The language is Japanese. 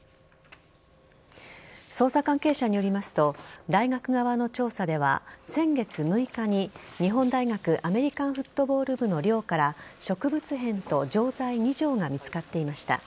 捜査関係者によりますと大学側の調査では先月６日に日本大学アメリカンフットボール部の寮から植物片と錠剤２錠が見つかっていました。